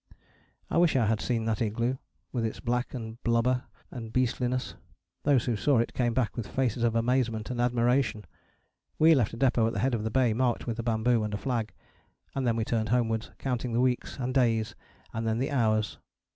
I wish I had seen that igloo: with its black and blubber and beastliness. Those who saw it came back with faces of amazement and admiration. We left a depôt at the head of the bay, marked with a bamboo and a flag, and then we turned homewards, counting the weeks, and days, and then the hours.